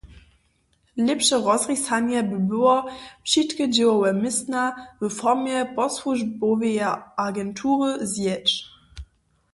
Lěpše rozrisanje by było, wšitke dźěłowe městna w formje posłužboweje agentury zjeć.